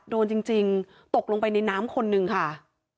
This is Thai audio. โดนจริงตกลงไปในน้ำคนหนึ่งค่ะ